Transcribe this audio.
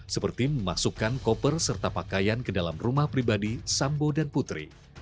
seperti memasukkan koper serta pakaian ke dalam rumah pribadi sambo dan putri